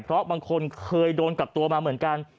เพราะบางคนเคยโดนกับตัวมาเหมือนกัน